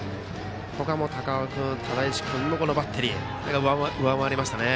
ここは高尾君、只石君のバッテリーが上回りましたね。